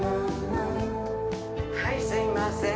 はいすいません。